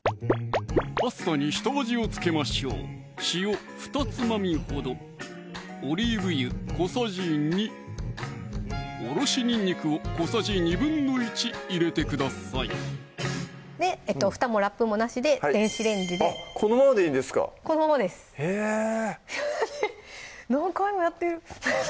パスタに下味を付けましょう塩ふたつまみほどオリーブ油小さじ２おろしにんにくを小さじ１／２入れてくださいでふたもラップもなしで電子レンジであっこのままでいいんですかこのままですへぇ何回もやってる